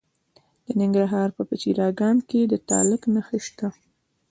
د ننګرهار په پچیر اګام کې د تالک نښې شته.